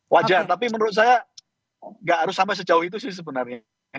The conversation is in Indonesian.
wajar tapi menurut saya nggak harus sampai sejauh itu sih sebenarnya